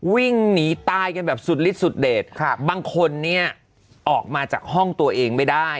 วิ่งหนีตายกันแบบสุดลิดสุดเด็ดครับบางคนเนี่ยออกมาจากห้องตัวเองไม่ได้